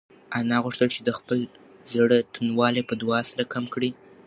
انا غوښتل چې د خپل زړه توندوالی په دعا سره کم کړي.